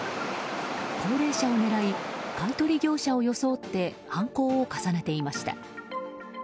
高齢者を狙い、買い取り業者を装って犯行を重ねていました。